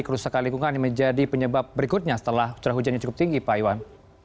di kerusakan lingkungan yang menjadi penyebab berikutnya setelah ujiannya cukup tinggi pak iwan